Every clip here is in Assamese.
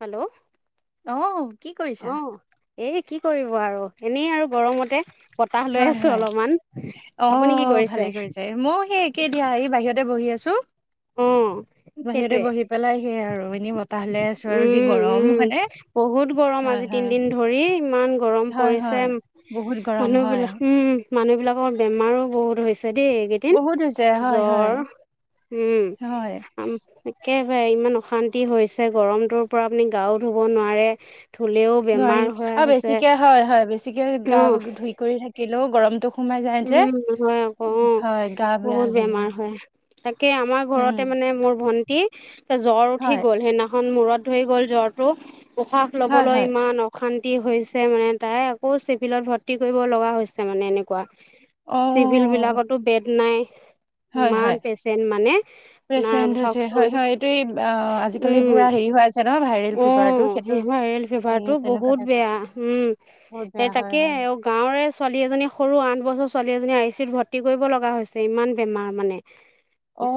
হেল্ল' অহ কি কৰিছা। অ এই কি কৰিব আৰু এনেই আৰু গৰমতে। বতাহ লৈ হয় আছোঁ হয়। অলপমান, আপুনি কি অ' ভালে কৰিছে? ময়ো সেই একে দিয়া এই বাহিৰতে বহি আছো। অ বাহিৰতে সেইটোৱে বহি পেলাই সে আৰু এনেই বতাহ লৈ আছোঁ। আৰু যি উম উম গৰম হয় নে, বহুত গৰম আজি হয়, হয়, তিনদিন ধৰি ইমান গৰম পৰিছে হয় বহুত গৰম মানুহ হয়। বিলাক উম। মানুহ বিলাকৰ বেমাৰো বহুত হৈছে। [unintelligible] এইকেইদিন, বহুত হৈছে হয় হয়। জ্বৰ, উম, হয় একেবাৰে ইমান অশান্তি হৈছে গৰমটোৰ পৰা আপুনি গাও ধুব নোৱাৰে। ধুলেও নোৱাৰি বেমাৰ হোৱা আৰু হৈছে বেছিকে হয় হয় বেছিকে গা অ ধুই কৰি থাকিলেও গৰমটো। সোমাই যায় উম যে, হয় আকৌ অ', হয় গা বেয়া হৈ থাকে। কে আমাৰ ঘৰতে মানে মোৰ ভন্টি, এ জ্বৰ উঠি হয় গ'ল হেনা খন মূৰত ধৰি গ'ল জ্বৰটো, উশাহ হয় ল'বলৈ হয় ইমান অশান ন্তি হৈছে মানে তাই আকৌ চিভিলত ভৰ্তি কৰিব লগা হৈছে মানে এনেকুৱা। চিভিল অ' বিলাকতো বেড নাই। হয় ইমান হয় পেচেণ্ট মানে আপোনাৰ প্ৰেড হৈছে চাওকচোন হয় এইটোে আজিকালি উম পুৰা হেৰি হোৱা যায় ভাইৰেল ফিভাৰ অ', [unintelligible] লিভাৰটো বহুত বেয়া উম, বহুত এ বেয়া হয় তাকে হয় গাঁৱৰে ছোৱা এজনী সৰু আঠ বছৰ ছোৱালী এজনী আই চি ইত ভৰ্তি কৰিব লগা হৈছে ইমান বেমাৰ মানে।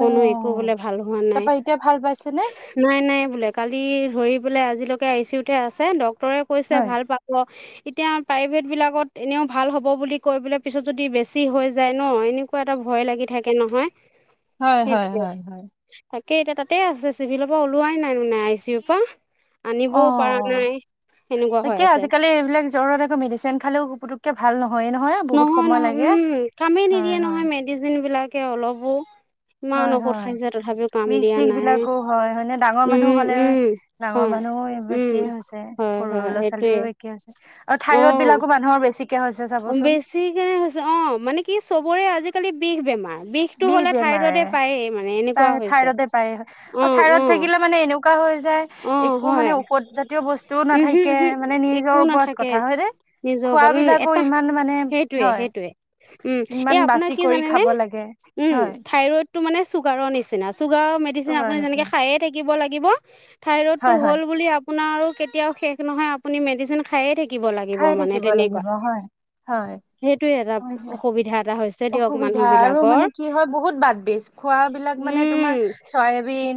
কোনো একো বোলে ভাল হোৱা নাই তাৰপা এতিয়া ভাল পাইছেনে? নাই নাই বোলে কালি ৰি আজিলৈকে এচি উঠে আছে ডক্তৰে কৈছে হয় ভাল পাব এতিয়া প্ৰাইভেট বিলাকত এনেও ভাল হ'ব বুলি কৈ বুলে পিছত যদি বেছি হৈ যায় ন' এনেকুৱা এটা ভয় লাগি থাকে নহয় হয় হয় হয় কে এতিয়া তাতেই আছে চিভিলৰ পৰা ওলোৱাই নাই মানে আই চি ইৰ পৰা, অ' আনিবও পাৰা অ' নাই। সেনেকুৱা হৈ তাকে আছে আজিকালি এইবিলাক জ্বৰত আকৌ মেডিচিন খালেও পুটুককে ভাল নহয়ে নহয় বহুত সময় লাগে উম কামেই হয় নিদিয়ে হয়। নহয় মেডিচিন বিলাকে অলপো ইিমান হয় ঔকধ হয় খাইছে তথাপিও কাম বিষ দিয়া চিষ নাই বিলাকো হয় হয়নে ডাঙৰ মানুহ উম হ'লে উম ডাঙৰ হয় মানুহৰো এই উম একেই হৈছে, হয় সৰু হয় ল'ৰা সেইটোৱে ছোৱালীও একেই হৈছে আৰু থাইৰইড বিলাকো মানুহৰ বেছি বেছিকে হৈছে অ, মানে কি চবৰে আজিকালি বিষ বেমাৰ। বিষটো বিষ হ'লে বেমাৰে, থাইৰইডে পায়েই মানে এনেকুৱা তাইৰ হৈছে থাইৰডে পায়, অ, থাইৰইড থাকিলে মানে এনেকোৱা হৈ অ যায় একো হয় মানে ঔষধ জাতীয় বস্তুও উমহু নাথাকে উমহু মানে একো নিজৰ ওপৰত নাথাকে কথা হয় নেই নিজৰ ওপৰত উম এটা সেইটোৱে হয় সেইটোৱে উম এ ইমান বাচি আপোনাৰ কি কৰি জানেনেে খাব লাগে উম হয় থাইৰইড টো মানে চুগাৰৰ নিচি চুগাৰৰ তোৰ মেডিচিন কাৰণে আপু যেনেকে নিচিনা খায়ে থাকিব ল হয় হয় [unintelligible] থাকিব লাগিব খাই মানে থাকিব তেনেকুৱা লাগিব হয় হয় সেইটোয়ে এটা হয় অসুবিধা এটা হৈছে দিয়ক মানুহ অসুবিধা আৰু বিলাকৰ মানে কি হয় বহুত বাদ বিজ খোৱাবলাক মানে তোমাৰ উম চয়াবিন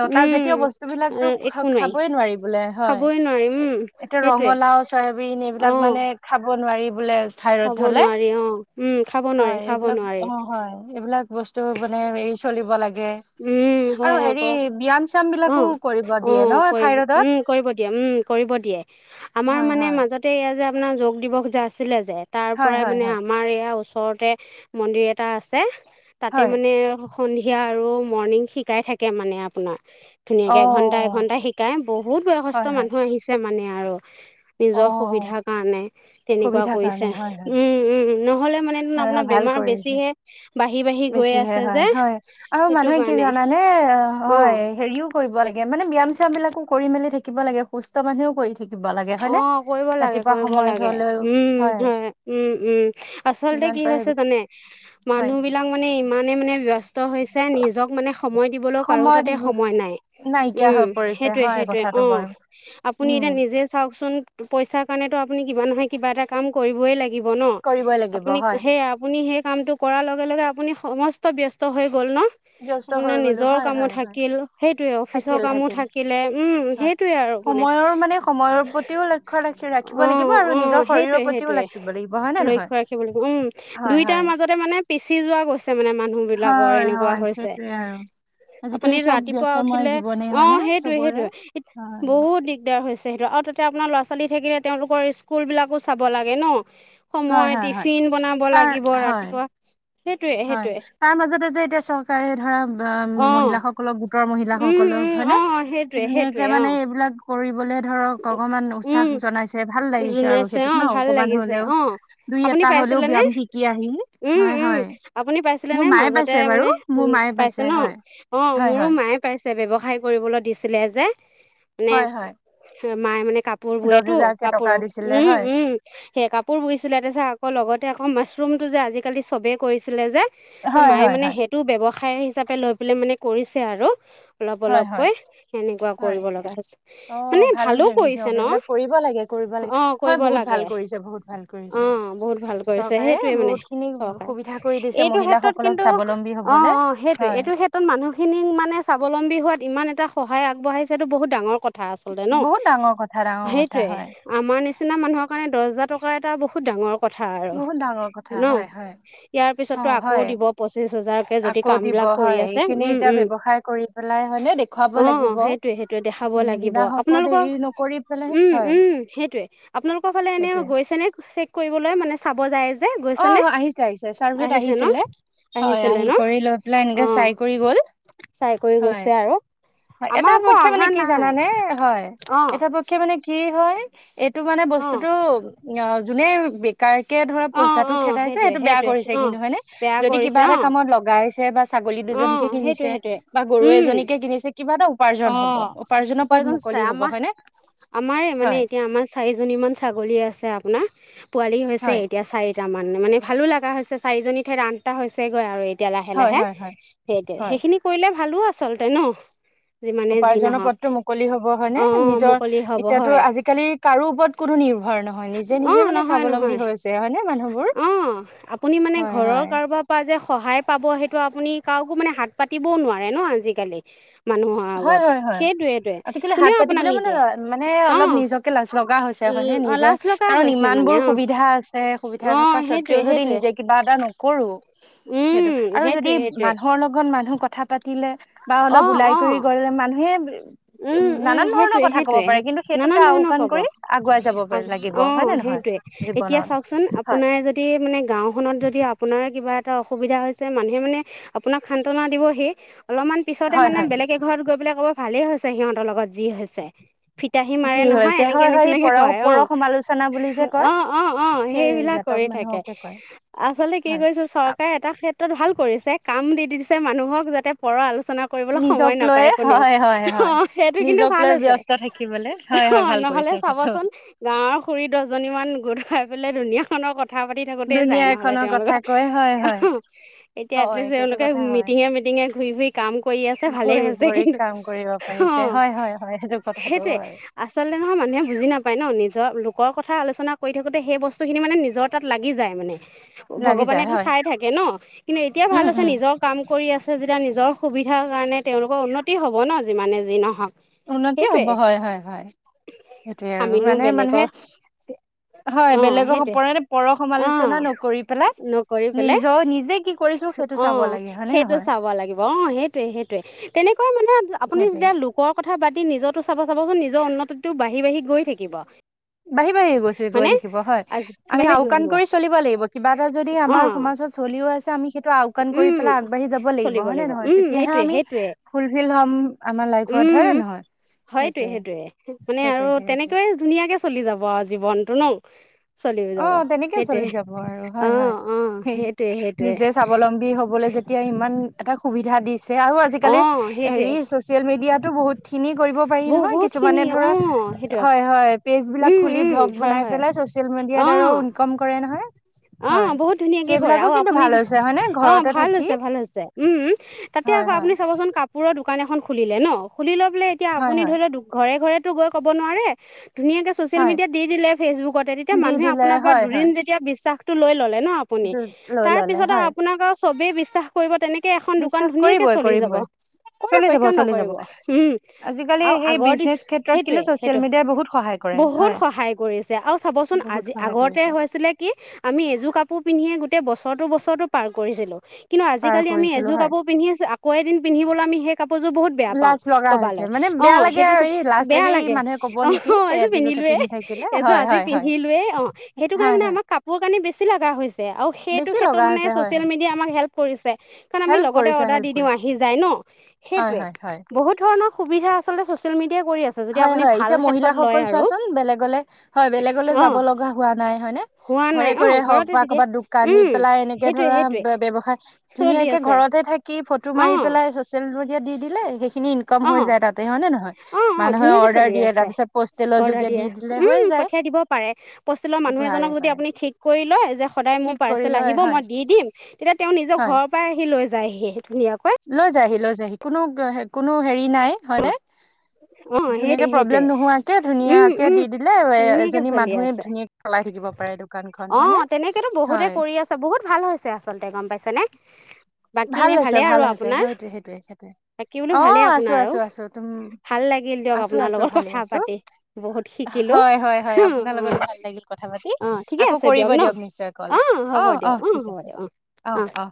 লতা জাতীয় উম বস্তু বিলাকো উম একো খাবইে নোৱাৰি বোলে হয়, খাবই নোৱাৰি উম এতিয়া সেইটোৱে ৰঙালাও, চয়াবিন অ এইবিলাক মানে খাব নোৱাৰি বোলে। খাব খাইত হলে নোৱাৰি অ উম খাব নোৱাৰি হয় খাব এইবিলাক নোৱাৰি অ হয় এইবিলাক বস্তু মানে এই চলিব লাগে উম আৰু হয় হেৰি আকৌ ব্যয়াম চয়াম অঁ বিলাকো কৰিব দিয়ে ন অঁ কৰিব থাইৰইডত উম, কৰিব দিয়ে উম, কৰিব দিয়ে আমাৰ হয় মানে হয় মাজতে এয়া যে আপোনাৰ যোগ দিৱস যে আছিলে যে তাৰ হয় পৰাই হয় মানে হয় আমাৰ এয়া ওচ চৰতে মন্দিৰ এটা আছে, তাতে হয় মানে সন্ধিয়া আৰু মৰ্ণিং শিকাই থাকে মানে আপোনাৰ অ ধুনীয়াকে এঘন্টা এঘন্টা শিকাই বহুত বয়সস্থ হয় হয় মানুহ আহিছে মানে আৰু অ নিজৰ সুবিধাৰ কাৰণে তেনেকুৱা সুবিধাৰ কাৰণে কৰিছে হয় হয় উম উম নহ'লে মানে হয় হয় আপোনাৰ ভাল বেমাৰ কৰিছে বেছিহে বাঢ়ি বাঢ়ি গৈ আছে যে সেইটো কাৰণে মানে অ অঁ হয় হেৰিও কৰিব লাগে মানে ব্যাম্াম বিাক কৰি মেলি থাকিব লাগে সুস্থ মানুহও কৰি থাকিব লাগে অ হয়নে কৰিব লাগে ৰাতিপুৱা কৰিব সময়ত লাগে হলেও উম হয় উম উম আচলতে যিমান কি পাৰে হৈছে জানে হয় মানুহ বিলাক মানে ইমানে মানে ব্যস্ত হৈছে নিজক মানে সময় দিবলৈ কাৰো সময় তাতে দিব সময় নাই নাইকিয়া উম হৈ পৰিছে সেইটয়ে হয় সেইটোয়ে কথাটো অ বাৰু আপুনি উম এতিয়া নিজে চাওকচোন পইচাৰ কাৰণেতটো আপুনি কিবা নহয় কিবা এটা কাম কৰিবই লাগে গিব কৰিবই ন' লাগিব আপুনি হয় সেয়া আপুনি সেই কামটো কৰাৰ লগে লগে আপুনি সমস্ত ব্যস্ত হৈ গ'ল ন' ব্যস্ত হৈ আপোনাৰ গলো নিজৰ হয় কামো হয় হয় থাকিল সেইটোয়ে থাকিল অফিচৰ কামো থাকিল থাকিলে উম হয় সেইটোয়ে আৰু [unintelligible] সময়ৰ মানে সময়ৰ প্ৰতিও লক্ষ্য ৰাখি ৰাখিব অ লাগিব আৰু অ নিজৰ শৰীৰৰ সেইটোয়ে প্ৰতিও সেইটোয়ে ৰাখিব লাগিব, হয় নে নহয়? লক্ষ্য ৰাখিব লাগিব উম হয় দুইটাৰ হয় মাজতে মানে পিছি যোৱা গছ মানে মানুহ বিলাকৰ হয় এনেকুৱা হয় হৈছে সেইটোয়ে আৰু আপুনি আজিকালি চব ৰাতিপুৱা ব্যস্তময় উঠিলে জীৱনেই অ হয়নে সেইটোয়ে চবৰে? সেইটোয়ে হয়, বহুত দিগদাৰ হৈছে সেইটো আৰু তাতে আপোনাৰ ল'ৰা ছোৱালী থাকিলে তেওঁলোকৰ স্কুল বিলাকো চাব লাগে ন। হয়, সময়, হয়, হয়। টিফিন বনাব তাৰ লাগিব হয়, ৰাতিপুৱা। সেইটোৱে হয়, সেইটোৱে তাৰ মাজতে যে এতিয়া চৰকাৰে ধৰা অ মহিলাসকলক গোটৰ উম মহিলাসকলক উম হয়নে? অ সেইটোৱে সেইটোৱে ধুনীয়াকে অ মানে এইবিলাক কৰিবলে ধৰক অকমান উম উৎসাহ জনাইছে ভাল লাগিছে আৰু জোনাইছে সেইটোত অ ন ভাল অকমান লাগিছে হলেও। অ দুই আপুনি এটা হলেও পাইছিলে নে? ব্যায়াম শিকি আহি উম হয়, উম। হয়। আপুনি পাইছিলে মোৰ নে মায়ে মাজতে পাইছে বাৰু মানে মোৰ মায়ে পাইছে ন? হয়, অ হয়, মোৰো হয়, মায়ে পাইছে। ব্যৱসায় কৰিবলৈ দিছিলে যে মানে হয়, হয়। মায়ে মানে কাপোৰ দহ বোয়েতো হেজাৰকে কাপোৰ টকা দিছিলে উম হয়, উম, সেই কাপোৰ বইছিলে তো চা আকৌ লগতে আকৌ মা ৰুমটো যে আজিকালি চবেই কৰিছিলে যে ত' হয়, মায়ে হয়, মানে হয়, সেইটোও ব্যৱ সায় হিচাপে লৈ পেলাই মানে কৰিছে আৰু অলপ হয়, হয়, অলপকৈ। সে নেকুৱা হয়। কৰিব লগা হৈছে। অ মানে ভাল ভালো হেৰি কৰিছে দিয়ক ন? এইবিলাক কৰিব লাগে কৰিব লাগে অ হয় কৰিব বহুত লাগে, ভাল কৰিছে বহুত ভাল অ। কৰিছে বহুত ভাল কৰিছে চৰকাৰে সেইটোয়ে মানে বহুত খিনি চৰকাৰে। সুবিধা কৰি দিছে এইটো ক্ষেত্ৰত মহিলাসকলক কিন্তু, স্বাৱলম্বী অ হবলে অ সেইটোয়ে। হয় এইটো ক্ষেত্ৰত মানুহখিনিক মানে স্বাৱলম্বী হোৱাত ইমান এটা সহায় আগবঢ়াইছে সটো বহুত ডাঙৰ কথা। ন'! বহুত ডাঙৰ কথা ডাঙৰ কথা সেইটোয়ে, হয় আমাৰ নিচিনা মানুহৰ কাৰণে দহ হাজাৰ টকা এটা বহুত ডাঙৰ কথা আৰু, বহুত ডাঙৰ কথা ন'? হয় হয় ইয়াৰ অ পিছটো আকৌ হয় দিব পঁচিছ হাজাৰকে যদি আকৌ দিব কামবিলাক কৰি হয় আছে। এইখিনি উম এতিয়া উম, ব্যৱসায় কৰি পেলাই হয়নে দেখুৱাব অ লাগিব সেইটোয়ে সেইটোয়ে দেখাব এইখিনি লাগিব। বিনা আপ শকত আপোনালোকৰ, হেৰি নকৰি পেলাই উম হয় উম সেইটোৱে, আপোনালোকৰ ফালে এনে সেইটোয়ে গৈছে নে? চেক কৰিবলৈ মানে চাব যায় যে গৈছে নে অহ আহিছে আহিছে চাৰ্ভেত আহিছে ন আহিছিলে। হয় আহিছিলে আহি ন কৰি লৈ পেলাই অ এনেকে চাই কৰি গ'ল। চাই কৰি হয় গৈছে আৰু। হয় আমাৰ এটা আকৌ পক্ষে অহা মানে কি নাই জানানে? হয়। অ এটা পক্ষে মানে কি হয় এইটো মানে অ বস্তুটো অ যোনে বেকাৰকে ধৰা অ পইচাটো অ খেদাইছে সেইটোৱে সেইটো বেয়া সেইটোৱে কৰিছে অ কিন্তু, হয়নে? বেয়া যদি কিবা কৰিছে এটা অ কামত লগাইছে বা ছাগলী অ দুজনীকে সেইটোৱে কিনিছে সেইটোৱে বা গৰু উম এজনীকে কিনিছে। কিবা এটা উপাৰ্জন অ হ'ব, উপাৰ্জনৰ পথ উপাৰ্জন মুকলি চাই হ'ব, আমাৰ হয়নে? আমাৰে মানে হয় এতিয়া আমাৰ চাৰি জনী মান ছাগলী আছে। আপোনাৰ? পোৱালি হৈছে হয় এতিয়া চাৰিটামান মানে ভালো লগা হৈছে চাৰিজনী ঠাইত আঠটা হৈছেগৈ আৰু এতিয়া লাহে হয় লাহে। হয় হয় সেই হয় সেইখিনি কৰিলে ভালো আচলতে ন। যিমানে যি উপাৰ্জনৰ নহওক পদটো মুকলি হ'ব অ হয়নেে। নিজৰ মুকলি হ'ব এতিয়াতো হয় আজিকালি কাৰো ওপৰত কোনো নি নিৰ্ভৰ নহয় নিজে, অ নিজে মানে নহয় নহয় স্বাৱলম্বী হৈছে হয় ন মানুহবোৰ। অ', আপুনি মানে হয়, ঘৰৰ হয়। কাৰোবাৰ যে সহায় পাব সেইটো আপুনি কাকো মানে হাত পাতিবও নোৱাৰে ন আজিকালি। মান হয, হয়, হয়। আজিকালি হাত কোনেও আপোনাক পাতিবলৈ মান নিদিয়ে যায় মানে অলপ অ', নিজকে লাজ লাগ হৈছে হয় নে এ অ', নিজৰ লাজ লগা কাৰণ হৈছে ইমান মানে বোৰ অ', সুবিধা আছে সুবিধা অ', থকা সেইটোৱে স্বত্তেও যদি সেইটোৱে নিজে কিবা এটা নকৰো উম, সেইটো আৰু সেইটোৱে যদি সেইটোৱে মানুহৰ লগত মানুহ কথা পাতিলে বা অলপ অ', ওলাই কৰি অ', গলে মানুহে উম নানান ধৰণৰ কথা কব পাৰে কিন্তু নানান সেইটোকে ধৰণৰ আওকাণ ক'ব কৰি আগুৱাই যাব অ' পাৰে লাগিব হয় নে নহয়। জীৱনত এতিয়া চাওকচোন হয় আপোনাৰ যদি মানে গাওখননত যদি আপোনাৰ কিবা এটা অসুবিধা হৈছে মানুহে মানে আপোনাক সান্তনা দিবহেই। অলপমান পিছতে হয় মানে হয় বেলেগে এঘৰত গৈ পেলাই ক'ব ভালেই হৈছে সিহঁতৰ লগত যি হৈছে। ফিতাহী যি মাৰে নহয় হৈছে এনেকে হয় হয় এই নিচিনাকে পৰ কয় অ। পৰ সমালোচনা বুলি যে কয় অ' অ' অ সেই সেইবিলাক জাতক কৰি থাকে, মানুহকে কয় আচলতে কি কৰিছে হয় চৰকাৰে এটা ভাল কৰিছে কাম দি দি দিছে মানুহক যাতে পৰ আলোচনা কৰিবলৈ নিজক সময় নাপায় লৈয়ে কোনেও। হয় হয় হয় অ' সেইটো কিন্তু নিজক ভাল লৈ হৈছে। ব্যস্ত থাকিবলে হয় হয় অ'। ভাল নহলে কৰিছে সেইটো চাবচোন গাঁৱৰ খুৰী দহজনী মান গোট খাই পেলাই ধুনীয়া কথা পাতি থাকোঁতেই যায় দুুনীয়া নহলে এখনৰ কথা তেওঁলোকৰ কয় হয় হয় এতিয়া হয় এটলিষ্ট সেইটো তেওঁলোকে কথা হয় মিটিঙে মিটি ঘুৰি ফুৰি কাম কৰি আছে ভালে ঘড়ী হৈছে ঘড়ীত কিন্তু কাম কৰিব অ পাৰিছে হয় হয় হয় সেইটো কথাটো সেইটোয়ে হয় আচলতে নহয় মানুহে বুজি নাপায় ন নিজৰ লোকৰ কথা আলোচনা কৰি থাকোঁতে সেই বস্তুখিনি মানে নিজৰ তাত লাগি যায় মানে লাগি যায় ভগৱানেটো হয় চাই থাকে ন কিন্তু এতিয়া উম ভাল আছে উম নিজৰ কাম কৰি আছে আছে যেতিয়া নিজৰ সুবিধাৰ কাৰণে তেওঁলোকৰ উন্ উন্নতি হ'ব হয় হয় হয় সেইটোৱে আৰু আমিনো মানে মানুহে বেলেগৰ হয় অ', বেলেগৰ সেইটোৱে হপৰে পৰ সমালোচনা অ' নকৰি পেলাই নকৰি পেলাই নিজৰ নিজে কি কৰিছো সেইটো চাব অ'। লাগে হয়নে সেইটো নহয় চাব লাগিব অ সেইটোয়ে সেইটোয়ে তেনেকৈ মানে আপুনি সেইটোৱে তেতিয়া লোকৰ কথা পাতি নিজৰো চাব চাবচোন নিজৰ উন্নতিতো বাঢ়ি বাঢ়ি গৈ থাকিব। বাঢ়ি, বাঢ়ি গৈছে গৈ হয়নে থাকিব হয়। আজি আমি বাঢ়ি বাঢ়ি গৈ আওকাণ থাকিব কৰি চলিব লাগিব কিবা এটা যদি আমাৰ অ' সমাজ চলিও আছে আমি সেইটো আওকান কৰি উম পেলাই আগাবাঢ়ি যাব লাগিব চলিব হয় নে নহয় উম তেতিয়াহে সেইটোৱে আমি সেইটোৱে ফুলফিল হম আমাৰ লাইফত হয় নহয় হয়টোয়ে সেইটোয়ে মানে সেইটোয়ে আৰু সেইটোয়ে তেনেকৈয়ে ধুনীয়াকে চলি যাব আৰু জীৱনতটো ন। চলি যাব অ'। তেনেকে সেইটোৱে চলি যাব আৰু হয়, অ' হয় অ' সেইটোৱে সেইটোৱে নিজে স্বাৱলম্বী হ'বলৈ যেতিয়া ইমান এটা সুবিধা দিছে আৰু আজিকালি অ' সেইটোৱে হেৰি চচিয়েল মিডিয়াত খিনি কৰিব পাৰি নহয় বহুতখিনি কিছুমানে ধৰা অ' সেইটোৱে হয় হয় পেজ বিলাক উম খুলি উম ভ্লগ হয় বনাই হয় পেলাই চ চচিয়েল মিডিয়াৰ অ দ্বাৰাও ইনকম কৰে নহয় অ হয় বহুত ধুনীয়াকে কৰে সেইবিলাকো আৰু কিন্তু আপুনি ভাল হৈছে হয়নে অ' ঘৰতে ভাল থাকি হৈছে ভাল হৈছে উম। তাতে হয় আকৌ হয় আপুনি চাবচোন কাপোৰৰ দোকান এখন খুলিলে ন খুলি লৈ বোলে এতিয়া হয় আপুনি হয় ধৰি লও ঘৰে ঘৰেতো গৈ কব নোৱাৰে ধুনীয়াকে ছ'চিয়েল হয় মিডিয়া দি দিলে ফেচবুকতে তেতিয়া দি মানুহে দিলে আপোনাৰ পৰা হয় দুদিন হয় যেতিয়া বিশ্বাসটো লৈ ল ন আপুনি। লৈ ললে তাৰপিছত হয় আপোনাক আৰু চবেই বিশ্বাস কৰিব তেনেকে কে এখন দোকান বিশ্বাস ধুনীয়াকে কৰিবই চলি যাব কৰিবই চলি কৰিবই যাব কিয় চলি যাব নকৰিব উম। আজিকালি আৰু সেই আগৰ দিন বিজনেচ ক্ষেত্ৰত কিন্তু সেইটোৱে ছচিয়েল সেইটো মিডিয়াই বহুত সহায় কৰে বহুত হয় সহায় কৰিছে আৰু চাবচোন বহুত আজি সহায় আগতে কৰিছে হৈছিলে কি আমি এযোৰ কাপোৰ পিন্ধিয়ে গোটেই বছৰৰটো বছৰৰটো পাৰ কৰিছিলো কিন্তু পাৰ আজিকালি আমি কৰিছিলো এযোৰ হয় কাপোৰ পিন্ধিছো আক এদিন পিন্ধিবলে আমি সেই কাপোৰযোৰ বহুত বেয়া পাওঁ লাজ লগা হৈছে ক'বালে মানে অ বেয়া লাগে সেইটো আৰু কাৰণে এই লাজ বেয়া এই লাগে মানুহে কব অ নেকি অ এইযোৰ এযোৰকে পিন্ধিলোয়ে পিন্ধি থাকিলে এইযোৰ হয় আজি হয় হয় পিন্ধিলোৱেই অ সেইটো কাৰণে হয় মানে হয় আমাক কাপোৰ কানি বেছি লগা হৈছ আৰু সেইটো বেছি ক্ষেত্ৰত লগা মানে হৈছে হয় চ'চিয়েল হয় মিডিয়া আমাক হেল্প কৰিছে কাৰণ আমি হেল্প লগতে কৰিছে অৰ্ডাৰ হেল্প দি দিওঁ কৰিছে আহি যায় ন হয় সেইটোৱে হয় হয় বহুত ধৰণৰ সুবিধা আচলতে চচিয়েল মিডি হয় হয় এতিয়া মহিলাসকল আৰু চোৱাচোন বেলেগলে হয় বেলেগলে অ যাব লগা হোৱা নাই হয় নে হোৱা ঘৰে নাই অ ঘৰে হওক ঘৰতে বা তেতিয়া কবাত দোকান দি উম পেলাই এনেকে সেইটোৱে ধৰা সেইটোৱে ব্যয়সায় চলি ধুনীয়াকে আছে ঘৰতে থাকি ফটো অ মাৰি পেলাই চচিয়েল মিডিয়াত দি দিলে সেইখিনি ইনকম অ হৈ যায় তাতে হয় নে নহয় অ অ মানুহে ধুনীয়াকে অৰ্ডাৰ চলি দিয়ে তাৰ আছে পিছত পষ্টেলৰ অৰ্ডাৰ যোগে দি দিয়ে দিলে হৈ উম যায় পঠিয়াই দিব পাৰে পোষ্টেলৰ মানুহ বাৰে এজনক যদি বাৰে আমি ঠিক কৰি লৈ যে সদায় মোৰ ঠিক কৰি পাৰ্চেল লয় আহিব হয় মই দি দিম তেতিয়া তেও নিজৰ হয় ঘৰ পৰাই আহি লৈ যায়হি ধুনীয়াকৈ লৈ যা হি লৈ যা হি কোনো কোনো হেৰি নাই হয়নে অ ধুনীয়াকে সেইটোৱে প্ৰব্লেম সেইটোৱে নোহোৱাকে উম ধুনীয়াকে উম দি দিলে ধুনীয়াকে এজনী চলি মানুহে আছে ধুনীয়াকে চলাই থাকিব পাৰে দোকানখন অ হয়নে? তেনেকেতো বহুতে হয়। কৰি আছে বহুত ভাল হৈছে আচলতে গম পাইছে নে ভাল হৈছে ভাল হৈছে সেয়টোৱে সেইটোয়ে সেইটোৱে বাকী বোলো অ ভালেই আছো আপোনাৰ আৰু আছো আছো তুম ভাল লাগিল দিয়ক আছো আপোনাৰ আছো লগত ভালে কথা আছো পাতি বহুত শিকিলো হয় হয় হয় অ আপোনাৰ অ লগতো ভাল লাগিল কথা অ বাকি ঠিকে আকৌ আছে কৰিব ন দিয়ক নিশ্চয় কল অ হ'ব অ দিয়ক ঠিক হ'ব আছে দিয়ক অ অ অহ অহ